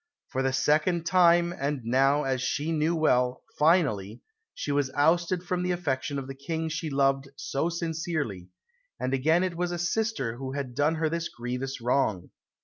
For the second time, and now, as she knew well, finally, she was ousted from the affection of the King she loved so sincerely; and again it was a sister who had done her this grievous wrong.